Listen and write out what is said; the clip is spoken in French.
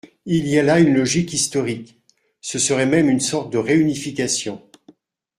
Il y a là une logique historique ; ce serait même une sorte de réunification.